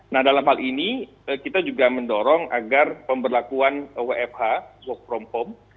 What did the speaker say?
nah dalam hal ini kita juga mendorong agar pemberlakuan wfh work from home